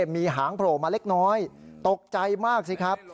มีหางโผล่มาเล็กน้อยตกใจมากสิครับ